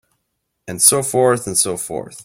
And so forth and so forth.